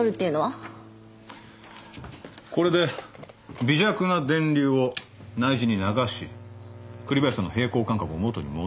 これで微弱な電流を内耳に流し栗林さんの平衡感覚を元に戻したんだ。